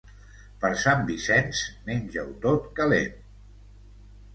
Per Sant Vicenç, menja-ho tot calent.